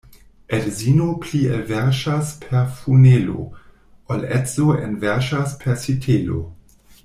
Edzino pli elverŝas per funelo, ol edzo enverŝas per sitelo.